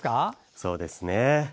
そうですね。